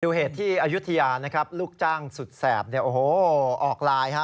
ดูเหตุที่อายุทียานนะครับลูกจ้างสุดแสบออกลายค่ะ